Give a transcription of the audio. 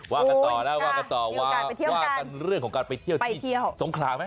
ว่ากันต่อแล้วว่ากันต่อว่าว่ากันเรื่องของการไปเที่ยวที่สงขลาไหม